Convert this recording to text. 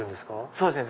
そうですね